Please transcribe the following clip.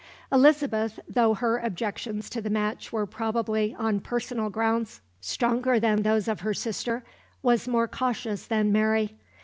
Elizabeth, though her objections to the match were probably, on personal grounds, stronger than those of her sister, was more cautious than Mary.